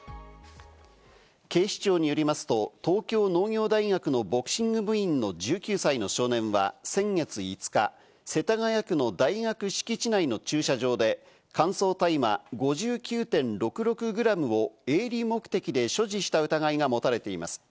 警視庁によりますと、東京農業大学のボクシング部員の１９歳の少年は先月５日、世田谷区の大学敷地内の駐車場で乾燥大麻５９．６６グラムを営利目的で所持した疑いが持たれています。